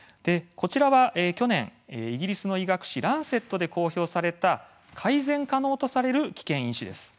こちらは去年イギリスの医学誌で公表された改善可能とされる危険因子です。